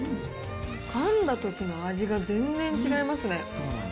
かんだときの味が全然違いますね。